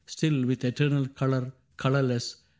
Still with eternal color, colorless.